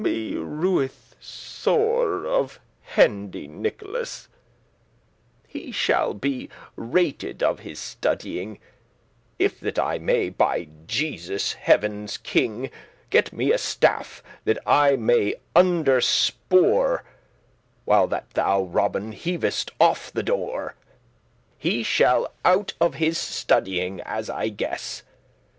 *Me rueth sore of* Hendy Nicholas: *I am very sorry for* He shall be *rated of* his studying, *chidden for* If that I may, by Jesus, heaven's king! Get me a staff, that I may underspore* *lever up While that thou, Robin, heavest off the door: He shall out of his studying, as I guess."